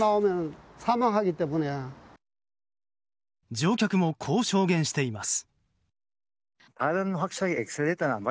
乗客もこう証言しています。